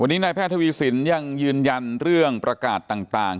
วันนี้นายแพทย์ทวีสินยังยืนยันเรื่องประกาศต่าง